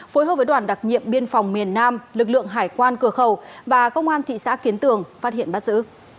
phối hợp với đoàn đặc nhiệm biên phòng miền nam lực lượng hải quan cửa khẩu và công an thị xã kiến tường phát hiện bắt giữ